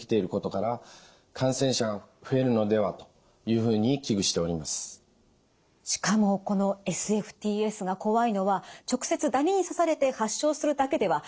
しかもこのＳＦＴＳが怖いのは直接ダニに刺されて発症するだけではないという点なんです。